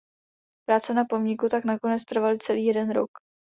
Práce na pomníku tak nakonec trvaly celý jeden rok.